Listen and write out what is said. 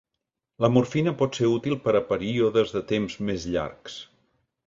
La morfina pot ser útil per a períodes de temps més llargs.